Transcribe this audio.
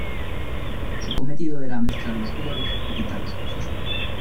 Su cometido era mezclar los colores y pintar los coches.